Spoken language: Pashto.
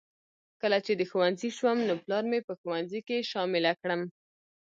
کله چې د ښوونځي شوم نو پلار مې په ښوونځي کې شامله کړم